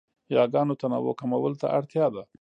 یاګانو تنوع کمولو ته اړتیا ده.